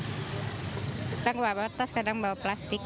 kadang bawa tas kadang bawa plastik